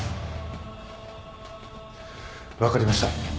分かりました。